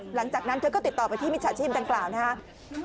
หลังจากนั้นเธอก็ติดต่อไปที่มิจฉาชีพดังกล่าวนะครับ